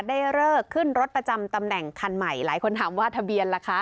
ได้เลิกขึ้นรถประจำตำแหน่งคันใหม่หลายคนถามว่าทะเบียนล่ะคะ